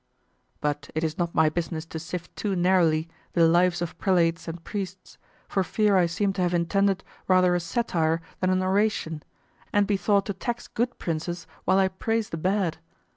But it is not my business to sift too narrowly the lives of prelates and priests for fear I seem to have intended rather a satire than an oration, and be thought to tax good princes while I praise the bad.